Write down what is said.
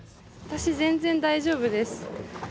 私全然大丈夫です。